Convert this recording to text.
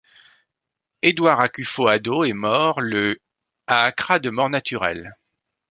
Edward Akufo-Addo est mort le à Accra de mort naturelle.